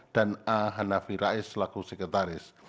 dan a hanafi rais selaku sekretaris